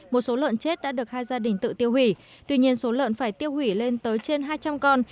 một số lợn chết đã được hai gia đình tự tiêu hủy tuy nhiên số lợn phải tiêu hủy lên tới trên hai trăm linh con